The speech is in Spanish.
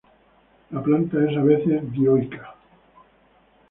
La planta es a veces dioica.